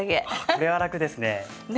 これは楽ですね。